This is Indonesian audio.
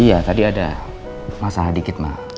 iya tadi ada masalah dikit mah